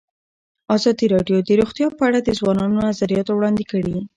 ازادي راډیو د روغتیا په اړه د ځوانانو نظریات وړاندې کړي.